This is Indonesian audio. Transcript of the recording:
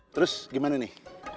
terus gimana nih